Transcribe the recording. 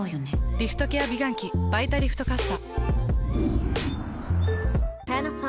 リフトケア美顔器「バイタリフトかっさ」。